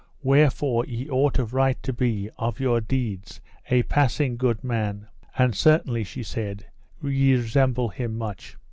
Wherefore ye ought of right to be, of your deeds, a passing good man; and certainly, she said, ye resemble him much.